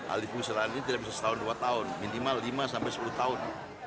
alih fungsi lahan ini tidak bisa setahun dua tahun minimal lima sampai sepuluh tahun